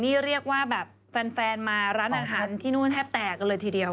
นี่เรียกว่าแบบแฟนมาร้านอาหารที่นู่นแทบแตกกันเลยทีเดียว